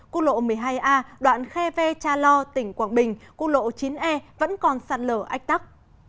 quốc lộ một mươi hai a đoạn khe ve cha lo tỉnh quảng bình quốc lộ chín e vẫn còn sạt lở ách tắc